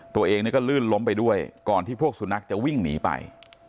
ตัวเองก็ลื่นล้มไปด้วยก่อนที่พวกสุนัขจะวิ่งหนีไป